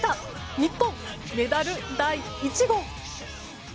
日本、メダル第１号！